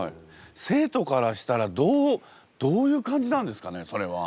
生徒からしたらどうどういう感じなんですかねそれは。